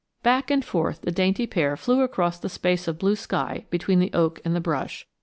Back and forth the dainty pair flew across the space of blue sky between the oak and the brush.